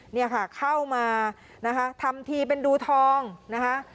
เนี่ยค่ะเข้ามานะคะทำทีเป็นดูทองนะคะ